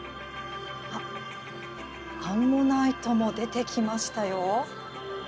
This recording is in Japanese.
アンモナイトも出てきましたよ。